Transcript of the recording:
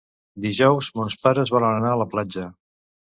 Dijous mons pares volen anar a la platja.